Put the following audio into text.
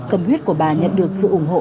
cầm huyết của bà nhận được sự ủng hộ